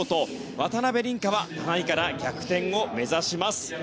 渡辺倫果は７位から逆転を目指します。